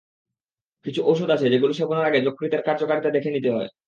কিছু ওষুধ আছে, যেগুলো সেবনের আগে যকৃতের কার্যকারিতা দেখে নিতে হয়।